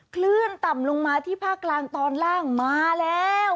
คลื่นต่ำลงมาที่ภาคกลางตอนล่างมาแล้ว